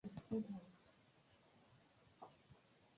Utawala wa Rais Trump ulitangaza dharura ya afya ya umma